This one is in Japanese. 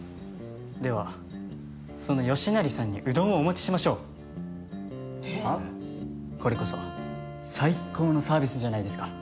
ではその吉成さんにうどんをお持ちしましょう。えっ？これこそ最高のサービスじゃないですか。